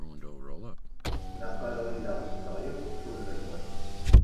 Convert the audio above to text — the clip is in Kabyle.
Naqal ɣileɣ ssneɣ akk ufuren-nwent.